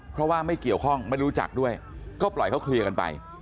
เพราะว่าไม่เกี่ยวข้องไม่รู้จักด้วยก็ปล่อยเขาเคลียร์กันไป